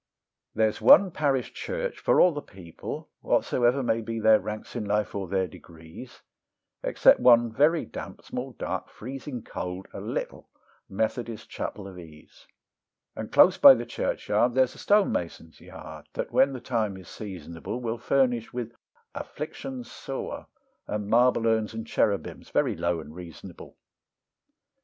There's one parish church for all the people, whatsoever may be their ranks in life or their degrees, Except one very damp, small, dark, freezing cold, a little Methodist Chapel of Ease; And close by the churchyard, there's a stone mason's yard, that when the time is seasonable Will furnish with afflictions sore and marble urns and cherubims, very low and reasonable.